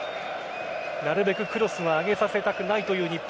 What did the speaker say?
なるべくクロスは上げさせたくないという日本。